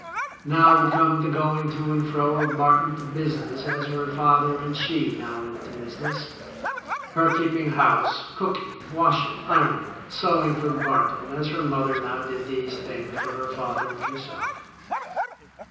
Now would come the going to and fro of Barton to business as her father ana she now went to business, her keeping house, cooking, washing, ironing, sewing for Barton as her mother now did these things for her father and herself.